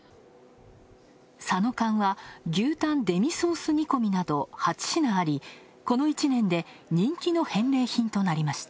さの缶は牛タンデミソース煮込みなど８品あり、この１年で人気の返礼品となりました。